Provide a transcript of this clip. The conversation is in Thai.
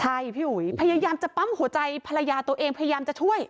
ใช่พี่อุ๋ยพยายามจะปั๊มหัวใจภรรยาตัวเองพยายามจะช่วย